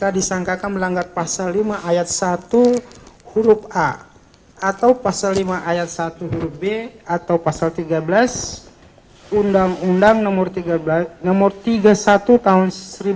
disangkakan melanggar pasal lima ayat satu huruf a atau pasal lima ayat satu huruf b atau pasal tiga belas undang undang nomor tiga puluh satu tahun seribu sembilan ratus sembilan puluh